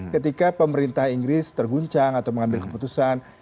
ketika pemerintah inggris terguncang atau mengambil keputusan